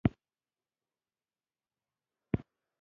یو کس د یوې مادې په مقابل کې حساسیت ښیي.